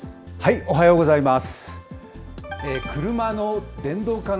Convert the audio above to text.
おはようございます。